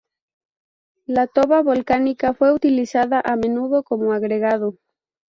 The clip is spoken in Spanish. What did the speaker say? La toba volcánica fue utilizada a menudo como agregado.